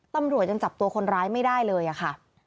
ตำรวจยังจับตัวคนร้ายไม่ได้เลยค่ะ